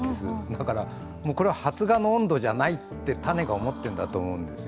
だから、これは発芽の温度じゃないと種が思ってるんだと思うんです。